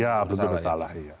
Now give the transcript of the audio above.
iya belum tentu bersalah